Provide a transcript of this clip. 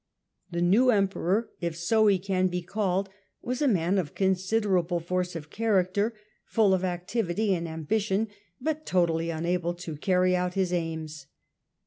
The new Emperor, if so he can be called, was a man of considerable force of character, full of activity and ambition, but totally unable to carry out his aims.